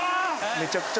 めちゃくちゃ。